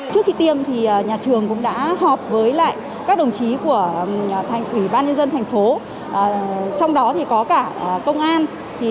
trước khi tiêm nhà trường cũng đã họp với lại các đồng chí của thành ủy ban nhân dân thành phố trong đó có cả công an